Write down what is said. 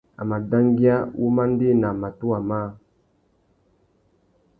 A mà dangüia wumandēna matuwa mâā.